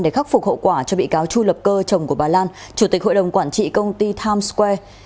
để khắc phục hậu quả cho bị cáo chu lập cơ chồng của bà lan chủ tịch hội đồng quản trị công ty times square